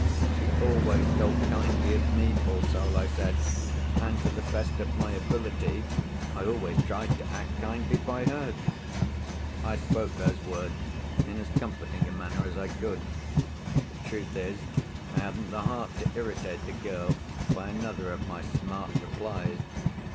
"She always thought kindly of me, poor soul," I said; "and, to the best of my ability, I always tried to act kindly by her." I spoke those words in as comforting a manner as I could. The truth is, I hadn't the heart to irritate the girl by another of my smart replies.